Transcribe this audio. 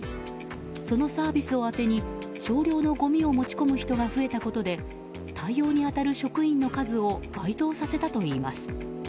そのサービスを当てに少量のごみを持ち込む人が増えたことで対応に当たる職員の数を倍増させたといいます。